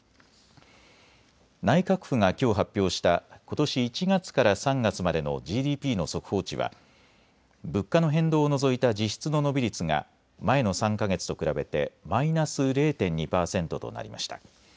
内閣府がきょう発表したことし１月から３月までのＧＤＰの速報値は物価の変動を除いた実質の伸び率が前の３か月と比べてマイナス０．２％となりました。